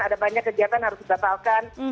ada banyak kegiatan harus dibatalkan